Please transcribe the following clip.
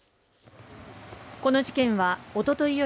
この事件はおととい夜